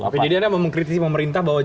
jadi anda mengkritisi pemerintah bahwa